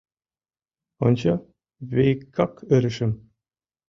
Ончо, викак ырышым...